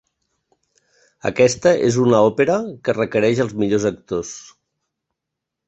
Aquesta és una òpera que requereix els millors actors.